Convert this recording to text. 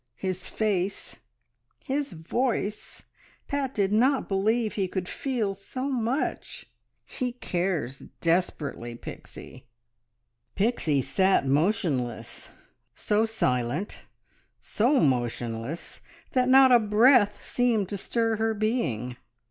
... His face! ... his voice! ... Pat did not believe he could feel so much. He cares desperately, Pixie." Pixie sat motionless so silent, so motionless, that not a breath seemed to stir her being.